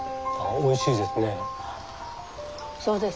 おいしいです。